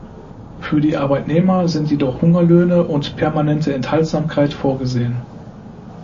Für die Arbeitnehmer sind jedoch Hungerlöhne und permanente Enthaltsamkeit vorgesehen.